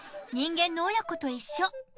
人間の親子と一緒。